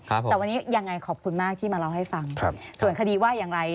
แต่วันนี้ยังไงขอบคุณมากที่มาเล่าให้ฟังครับส่วนคดีว่าอย่างไร